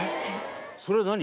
それは何？